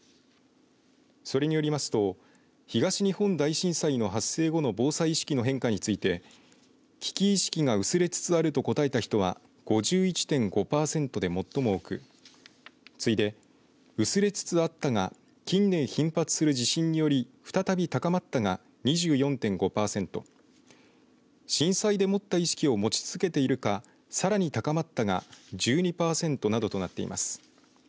それによりますと東日本大震災の発生後の防災意識の変化について危機意識が薄れつつあると答えた人は５１．５パーセントと最も多く次いで、薄れつつあったが近年頻発する地震により再び高まったが２４．５パーセント震災で持った意識を持ち続けているかさらに高まったが１２パーセントなどとなっています。